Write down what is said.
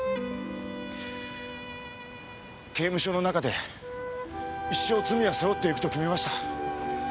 刑務所の中で一生罪は背負っていくと決めました。